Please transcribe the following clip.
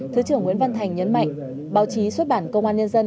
thứ trưởng nguyễn văn thành nhấn mạnh báo chí xuất bản công an nhân dân